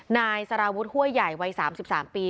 นายสระวุธห่วยใหญ่วัย๓๓ปี